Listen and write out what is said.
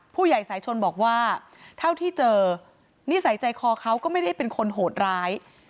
ผู้ใหญ่สายชนบอกว่าเท่าที่เจอนิสัยใจคอเขาก็ไม่ได้เป็นคนโหดร้าย